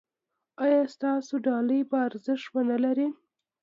ایا ستاسو ډالۍ به ارزښت و نه لري؟